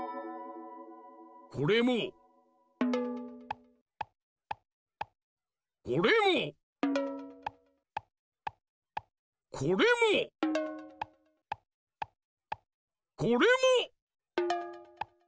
これもこれもこれもこれも！